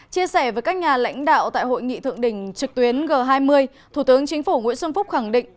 chia sẻ với các nhà lãnh đạo tại hội nghị thượng đỉnh trực tuyến g hai mươi thủ tướng chính phủ nguyễn xuân phúc khẳng định